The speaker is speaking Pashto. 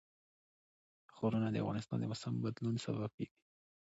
غرونه د افغانستان د موسم د بدلون سبب کېږي.